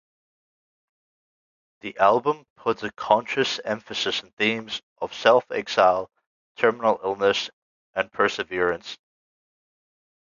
The album put a conscious emphasis on themes of self-exile, terminal illness and perseverance.